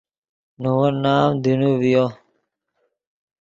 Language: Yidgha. نے ون نام دینو ڤیو